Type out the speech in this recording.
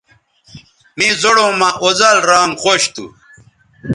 مے زوڑوں مہ اوزل رانگ خوش تھو